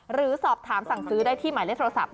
หรือสอบถามสั่งซื้อได้ที่หมายเลขโทรศัพท์